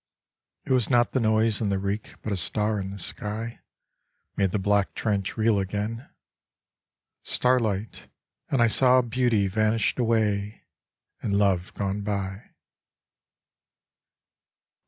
It was not the noise and the reek But a star in the sky Made the black trench real again. Starlight, and I Saw beauty vanished away And love gone by.